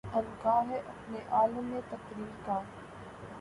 عنقا ہے اپنے عالَمِ تقریر کا